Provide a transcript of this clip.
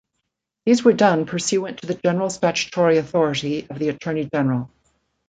These were done pursuant to the general statutory authority of the Attorney General.